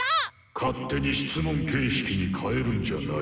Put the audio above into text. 勝手に質問形式に変えるんじゃない。